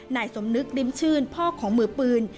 นายสมนึกริมชื่นพ่อของมือปืน